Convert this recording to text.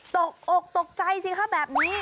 ตกอกตกใจสิคะแบบนี้